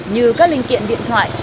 như các linh kiện điện thoại